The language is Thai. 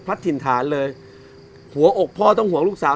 ถิ่นฐานเลยหัวอกพ่อต้องห่วงลูกสาว